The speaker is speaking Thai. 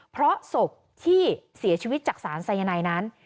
เพราะศพที่เสียชีวิตจากสารสายนายนั้น